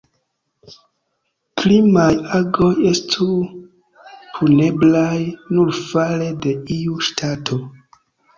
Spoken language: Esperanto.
Krimaj agoj estu puneblaj nur fare de iu ŝtato.